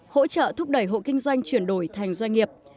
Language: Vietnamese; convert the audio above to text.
hỗ trợ thúc đẩy hộ kinh doanh chuyển đổi thành doanh nghiệp